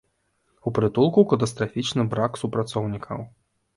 У прытулку катастрафічны брак супрацоўнікаў.